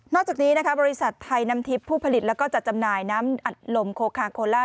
นอกจากนี้บริษัทไทยน้ำทิพย์ผู้ผลิตและจำหน่ายน้ำอัดลมโคคาโคลา